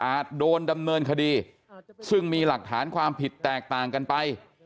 โดนดำเนินคดีซึ่งมีหลักฐานความผิดแตกต่างกันไป